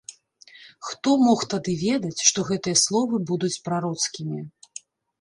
Хто мог тады ведаць, што гэтыя словы будуць прароцкімі.